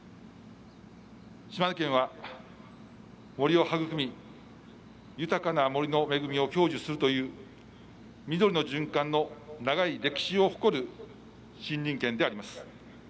島根県は、森を育み豊かな森の恵みを享受するという緑の循環の長い歴史を誇る森林県であります。